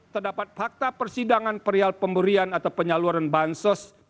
terdapat fakta persidangan perial pemberian atau penyaluran bansos